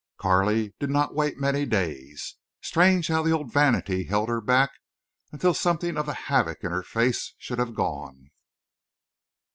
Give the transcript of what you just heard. Carley did not wait many days. Strange how the old vanity held her back until something of the havoc in her face should be gone!